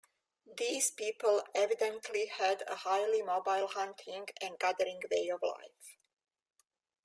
These people evidently had a highly mobile hunting and gathering way of life.